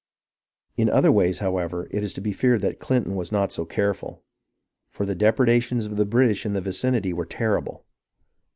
In other ways, however, it is to be feared that Clinton was not so careful, for the depredations of the British in the vicinity were terrible.